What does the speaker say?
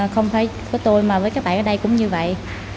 không phải của tôi mà với các bạn ở đây cũng như vậy